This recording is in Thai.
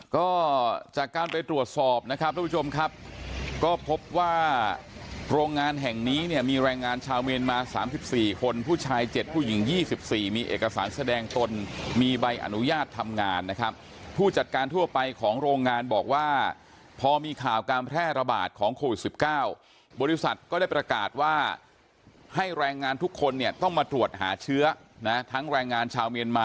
ก็จากการไปตรวจสอบนะครับทุกผู้ชมครับก็พบว่าโรงงานแห่งนี้เนี่ยมีแรงงานชาวเมียนมา๓๔คนผู้ชาย๗ผู้หญิง๒๔มีเอกสารแสดงตนมีใบอนุญาตทำงานนะครับผู้จัดการทั่วไปของโรงงานบอกว่าพอมีข่าวการแพร่ระบาดของโควิด๑๙บริษัทก็ได้ประกาศว่าให้แรงงานทุกคนเนี่ยต้องมาตรวจหาเชื้อนะทั้งแรงงานชาวเมียนมา